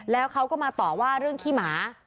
แล้วเขาก็มาต่อว่าเรื่องขี้หมา